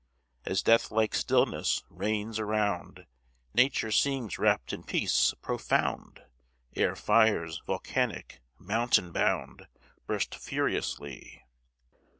As death like stillness reigns around, Nature seems wrapp'd in peace profound, Ere fires, volcanic, mountain bound, Burst furiously.